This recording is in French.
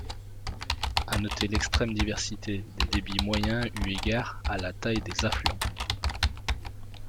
À noter l'extrême diversité des débits moyens eu égard à la taille des affluents.